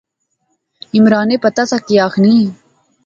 عمرانے پتہ سا کہیہ آخنی